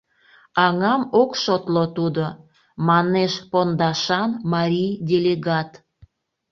— Аҥам ок шотло тудо, — манеш пондашан марий делегат.